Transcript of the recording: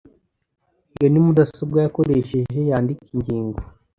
Iyo ni mudasobwa yakoresheje yandika ingingo.